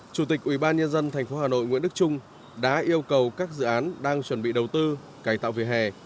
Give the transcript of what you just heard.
chủ tịch ubnd tp hà nội nguyễn đức trung đã yêu cầu các dự án đang chuẩn bị đầu tư cải tạo về hè